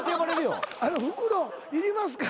袋いりますか？